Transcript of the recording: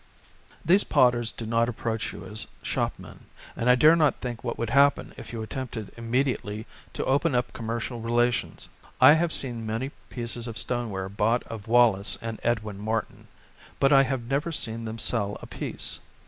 These potters do not approach you as shopmen, and I dare not think what would happen if you attempted immediately to open up commercial rela tions. I have seen many pieces of stoneware bought of Wallace and Edwin Martin, but I have never seen them sell a piece.